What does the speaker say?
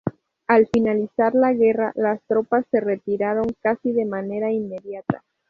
Al finalizar la guerra, las tropas se retiraron casi de manera inmediata.